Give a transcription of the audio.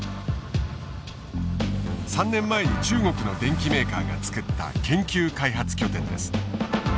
３年前に中国の電機メーカーが作った研究開発拠点です。